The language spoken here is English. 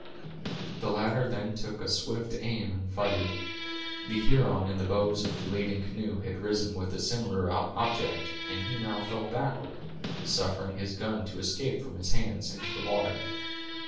The latter then took a swift aim and fired. The Huron in the bows of the leading canoe had risen with a similar object, and he now fell backward, suffering his gun to escape from his hands into the water.